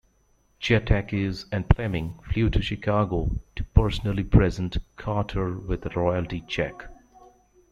Chairetakis and Fleming flew to Chicago to personally present Carter with a royalty check.